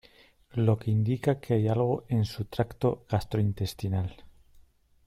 lo que indica que hay algo en su tracto gastrointestinal